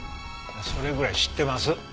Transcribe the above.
それぐらい知ってます。